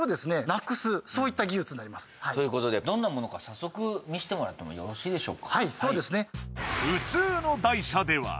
なくすそういった技術になりますということでどんなものか早速見してもらってもよろしいでしょうかはいそうですね